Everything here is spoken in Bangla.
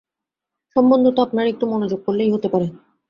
সম্বন্ধ তো আপনারা একটু মনোযোগ করলেই হতে পারে।